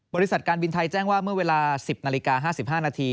บริษัทการบินไทยแจ้งว่าเมื่อเวลา๑๐นาฬิกา๕๕นาที